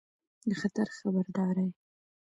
د خطر خبرداری